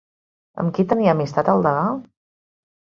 Amb qui tenia amistat el degà?